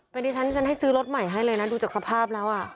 เป็นดิฉันที่ฉันให้ซื้อรถใหม่ให้เลยนะดูจากสภาพแล้ว